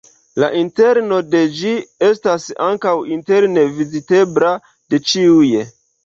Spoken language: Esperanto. La interno de ĝi estas ankaŭ interne vizitebla de ĉiuj.